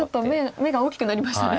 目が大きくなりましたね。